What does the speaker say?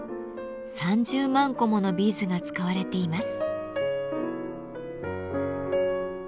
３０万個ものビーズが使われています。